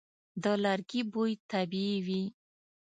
د لرګي بوی طبیعي وي.